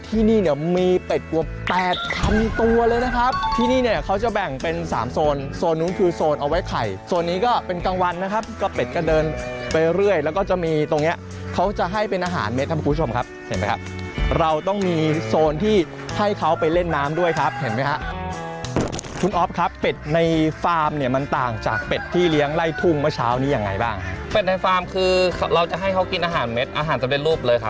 ที่นี่มีเป็ดกว่า๘๐๐๐ตัวเลยนะครับที่นี่เขาจะแบ่งเป็น๓โซนโซนนี้คือโซนเอาไว้ไข่โซนนี้ก็เป็นกลางวันนะครับก็เป็ดกระเดินไปเรื่อยแล้วก็จะมีตรงนี้เขาจะให้เป็นอาหารเม็ดครับคุณผู้ชมครับเห็นไหมครับเราต้องมีโซนที่ให้เขาไปเล่นน้ำด้วยครับเห็นไหมครับคุณออฟครับเป็ดในฟาร์มมันต่างจากเป็ดที่เลี้ยงไล่ทุ